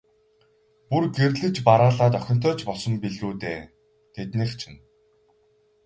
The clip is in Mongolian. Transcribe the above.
Бүр гэрлэж бараалаад охинтой ч болсон билүү дээ, тэднийх чинь.